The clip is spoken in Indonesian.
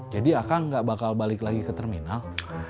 jadi akan gak bakal balik lagi ke terminal